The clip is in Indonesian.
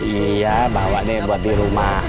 iya bawa deh buat di rumah